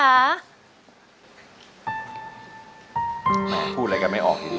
แม่พูดอะไรกันไม่ออก